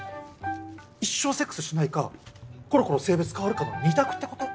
一生セックスしないかころころ性別変わるかの二択ってこと？